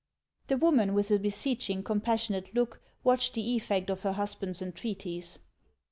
The woman, with a beseeching, compassionate look, watched the effect of her husband's entreaties.